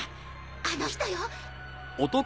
あの人よ！